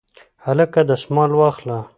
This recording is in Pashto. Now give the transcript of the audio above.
هلکه دستمال واخله